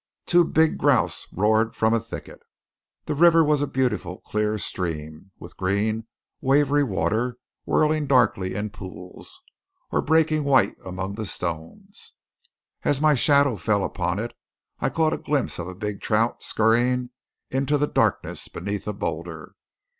Two big grouse roared from a thicket. The river was a beautiful, clear stream, with green wavery water whirling darkly in pools, or breaking white among the stones. As my shadow fell upon it, I caught a glimpse of a big trout scurrying into the darkness beneath a boulder.